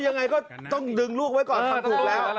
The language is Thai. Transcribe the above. ยังไงก็ต้องดึงลูกไว้ก่อนทำถูกแล้ว